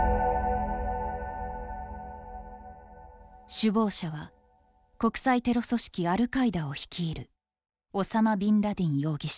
首謀者は国際テロ組織アルカイダを率いるオサマ・ビンラディン容疑者。